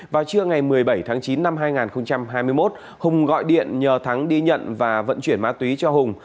vào trưa ngày một mươi bảy tháng chín năm hai nghìn hai mươi một hùng gọi điện nhờ thắng đi nhận và vận chuyển ma túy cho hùng